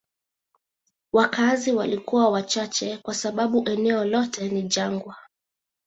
Wakazi walikuwa wachache kwa sababu eneo lote ni jangwa.